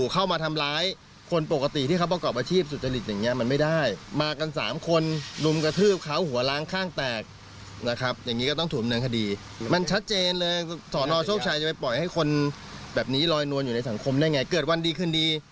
คนแบบนี้รอยนวนอยู่ในสังคมได้ไงเกิดวันดีขึ้นดี